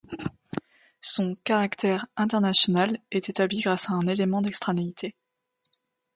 Son caractère international est établi grâce à un élément d'extranéité.